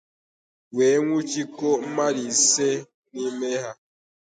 wee nwụchikọọ mmadụ ise n'ime ha.